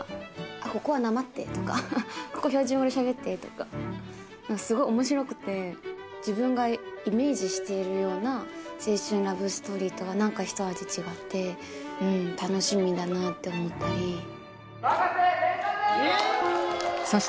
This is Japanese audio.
「ここはなまって」とか「ここ標準語でしゃべって」とかすごい面白くて自分がイメージしているような青春ラブストーリーとは何かひと味違ってうん楽しみだなって思ったり永瀬廉さん